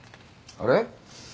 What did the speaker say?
あれ？